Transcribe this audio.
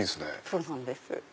そうなんです。